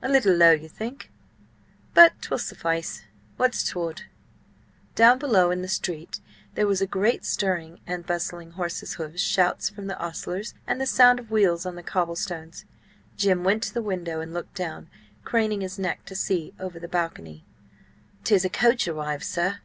A little low, you think? But 'twill suffice— What's toward?" Down below in the street there was a great stirring and bustling: horses' hoofs, shouts from the ostlers, and the sound of wheels on the cobble stones. Jim went to the window and looked down, craning his neck to see over the balcony. "'Tis a coach arrived, sir."